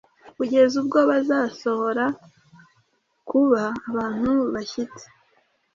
kugeza ubwo bazasohora kuba abantu bashyitse,